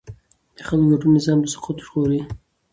د خلکو ګډون نظام له سقوطه ژغوري